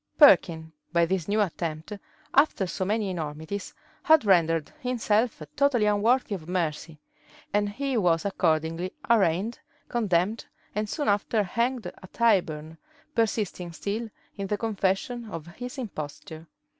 Perkin, by this new attempt, after so many enormities, had rendered himself totally unworthy of mercy; and he was accordingly arraigned, condemned, and soon after hanged at Tyburn, persisting still in the confession of his imposture.